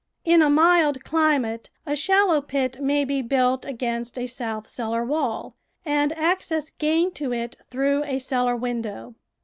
In a mild climate a shallow pit may be built against a south cellar wall and access gained to it through a cellar window.